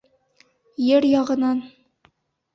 Ер яғынан...